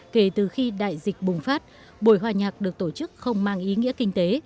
kể từ khi đại dịch bùng phát buổi hòa nhạc được tổ chức không mang ý nghĩa kinh tế